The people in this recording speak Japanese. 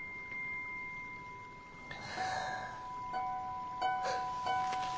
はあ。